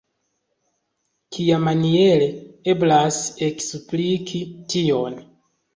Kiamaniere eblas ekspliki tion?